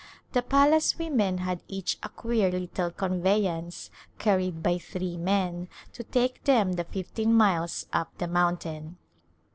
The palace women had each a queer lit tle conveyance, carried by three men, to take them the fifteen miles up the mountain.